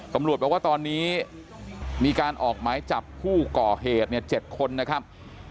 ตำรวจบอกว่าตอนนี้มีการออกหมายจับผู้ก่อเหตุ๗คนนะครับ